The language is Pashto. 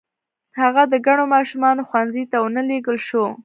هغه د کڼو ماشومانو ښوونځي ته و نه لېږل شو.